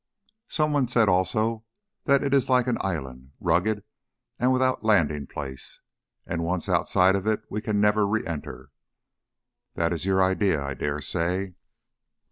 Someone said also that it is like an island, rugged and without landing place; and once outside of it we can never re enter. That is your idea, I dare say."